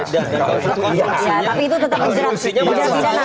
tapi itu tetap penjara